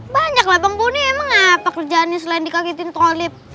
banyak lah panggung gue emang apa kerjaannya selain dikagetin tongolip